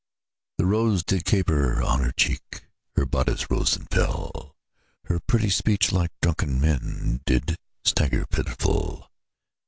The rose did caper on her cheek, Her bodice rose and fell, Her pretty speech, like drunken men, Did stagger pitiful.